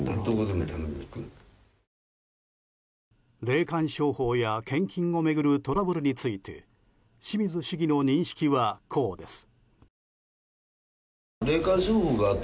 霊感商法や献金を巡るトラブルについて清水市議の認識はこうです。